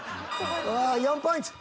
ああ４ポイント。